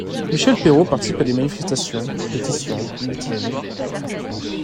Michelle Perrot participe à des manifestations, pétitions, meetings.